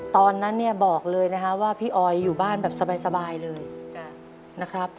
ตอนนั้นเนี่ยบอกเลยนะครับว่าพี่ออยอยู่บ้านแบบสบายเลยนะครับ